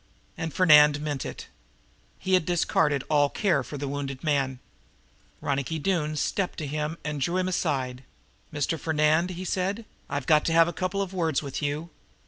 And Fernand meant it. He had discarded all care for the wounded man. Ronicky Doone stepped to him and drew him aside. "Mr. Fernand," he said, "I've got to have a couple of words with you."